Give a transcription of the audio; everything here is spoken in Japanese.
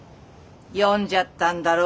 読んじゃったんだろ？